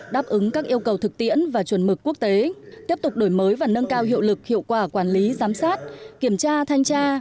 đáp ứng các yêu cầu thực tiễn và chuẩn mực quốc tế tiếp tục đổi mới và nâng cao hiệu lực hiệu quả quản lý giám sát kiểm tra thanh tra